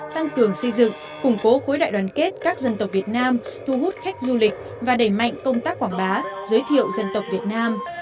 tăng cường xây dựng củng cố khối đại đoàn kết các dân tộc việt nam thu hút khách du lịch và đẩy mạnh công tác quảng bá giới thiệu dân tộc việt nam